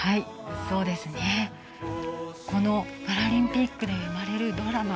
このパラリンピックで生まれるドラマ。